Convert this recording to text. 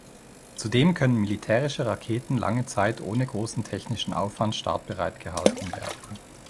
Zudem können militärische Raketen lange Zeit ohne großen technischen Aufwand startbereit gehalten werden.